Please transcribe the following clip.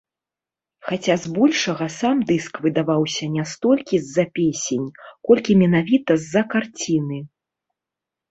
Хаця з большага сам дыск выдаваўся не столькі з-за песень, колькі менавіта з-за карціны.